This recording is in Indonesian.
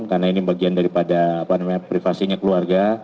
karena ini bagian daripada privasinya keluarga